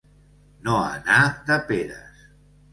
No anar de peres.